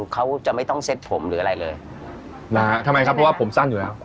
เขาจะไม่ต้องเซ็ตผมหรืออะไรเลยนะฮะทำไมครับเพราะว่าผมสั้นอยู่แล้ว